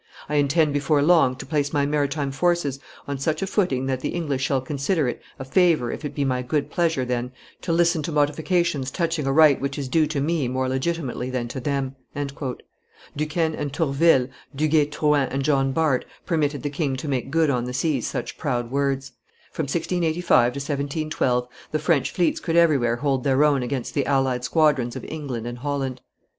I intend before long to place my maritime forces on such a footing that the English shall consider it a favor if it be my good pleasure then to listen to modifications touching a right which is due to me more legitimately than to them." Duquesne and Tourville, Duguay Trouin and John Bart, permitted the king to make good on the seas such proud words. From 1685 to 1712 the French fleets could everywhere hold their own against the allied squadrons of England and Holland.